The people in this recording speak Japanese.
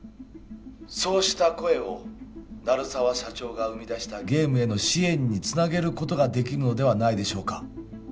そうした声を鳴沢社長が生み出したゲームへの支援につなげることができるのではないでしょうか？